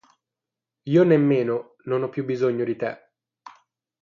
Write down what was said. Io nemmeno non ho più bisogno di te.